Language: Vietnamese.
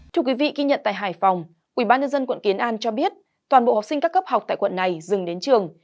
thưa quý vị ghi nhận tại hải phòng ubnd quận kiến an cho biết toàn bộ học sinh các cấp học tại quận này dừng đến trường